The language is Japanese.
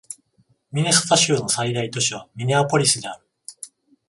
ミネソタ州の最大都市はミネアポリスである